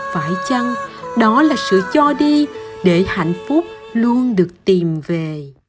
phải chăng đó là sự cho đi để hạnh phúc luôn được tìm về